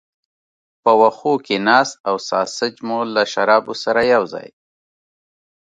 په وښو کې ناست او ساسیج مو له شرابو سره یو ځای.